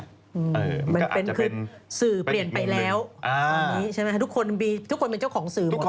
มันเป็นคือสื่อเปลี่ยนไปแล้วทุกคนเป็นเจ้าของสื่อหมด